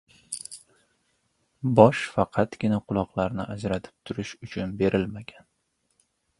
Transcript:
• Bosh faqatgina quloqlarni ajratib turish uchun berilmagan.